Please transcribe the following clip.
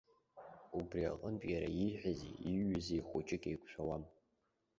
Убри аҟнытә иара ииҳәази ииҩызи хәыҷык еиқәшәауам.